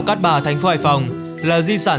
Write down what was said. cát bà thành phố hải phòng là di sản